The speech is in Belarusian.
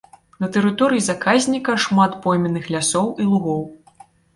На тэрыторыі заказніка шмат пойменных лясоў і лугоў.